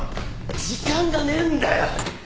時間がねえんだよ！